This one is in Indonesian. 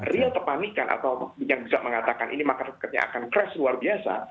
real kepanikan atau yang bisa mengatakan ini market crash luar biasa